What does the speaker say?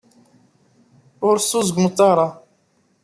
Ur sεuẓẓugemt ara.